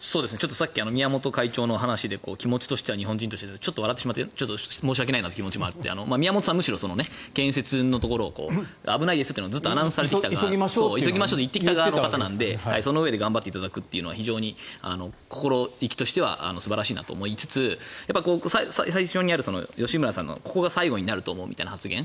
さっき宮本会長の話で気持ちとしては日本人としてというの笑っちゃって申し訳ないなという気持ちもあって宮本さんはむしろ建設のところを危ないですとアナウンスされてきた方なのでそのうえで頑張っていただくのは非常に心意気としては素晴らしいなと思いつつ最初にある吉村さんの、ここが最後になると思うという発言